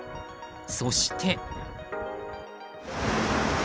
そして。